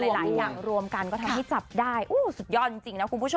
หลายอย่างรวมกันก็ทำให้จับได้